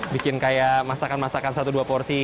bikin kayak masakan masakan satu dua porsi